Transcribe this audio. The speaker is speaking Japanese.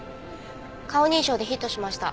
顔認証でヒットしました。